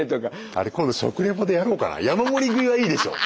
あれ今度食リポでやろうかな山盛り食いはいいでしょ。